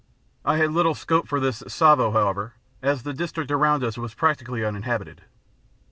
I had little scope for this at Tsavo, however, as the district around us was practically uninhabited.